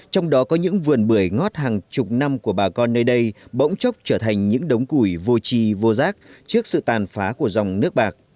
trong đó có những vườn bưởi ngót hàng chục năm của bà con nơi đây bỗng chốc trở thành những đống củi vô trì vô giác trước sự tàn phá của dòng nước bạc